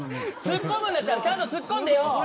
ツッコむんだったらちゃんとツッコんでよ！